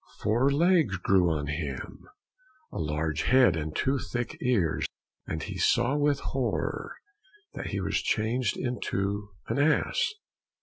Four legs grew on him, a large head and two thick ears, and he saw with horror that he was changed into an ass.